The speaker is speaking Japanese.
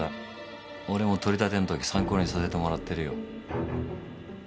俺も取り立てのとき参考にさせてもらってるよ。